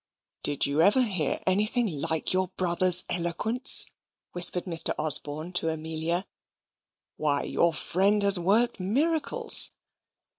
"Did you ever hear anything like your brother's eloquence?" whispered Mr. Osborne to Amelia. "Why, your friend has worked miracles."